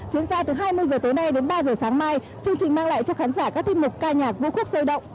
diễn ra từ hai mươi h tối nay đến ba h sáng mai chương trình mang lại cho khán giả các thiên mục ca nhạc vũ khúc sơ động